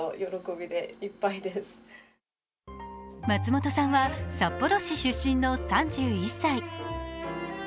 松本さんは札幌市出身の３１歳。